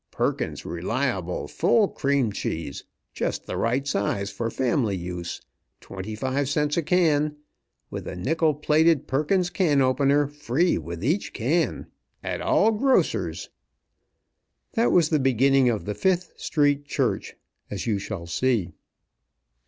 Perkins's Reliable Full Cream Cheese, just the right size for family use, twenty five cents a can, with a nickel plated Perkins Can opener, free with each can. At all grocers." That was the beginning of the Fifth Street Church, as you shall see.